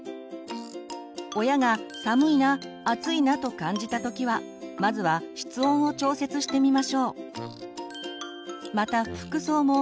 親が「寒いな」「暑いな」と感じた時はまずは室温を調節してみましょう。